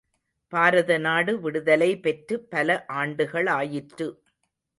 பாரத நாடு விடுதலை பெற்று பல ஆண்டுகளாயிற்று.